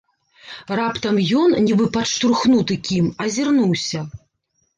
Раптам ён, нібы падштурхнуты кім, азірнуўся.